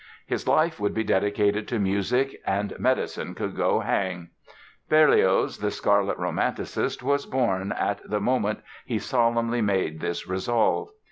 His life would be dedicated to music and medicine could go hang! Berlioz the scarlet Romanticist was born at the moment he solemnly made this resolve.